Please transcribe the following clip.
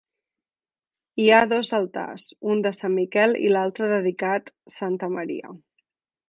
Hi havia dos altars, un de sant Miquel i l'altre dedicat santa Maria.